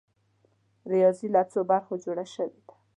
ریاضي له څو برخو جوړه شوې ده؟